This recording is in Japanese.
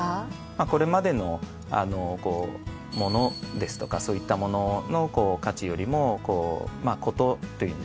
これまでの「モノ」ですとかそういったものの価値よりもこう「コト」というんでしょうかね。